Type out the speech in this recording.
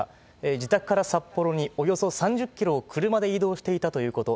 自宅から札幌におよそ３０キロを車で移動していたということ。